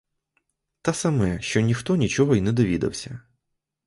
Та саме, що ніхто нічого не довідався.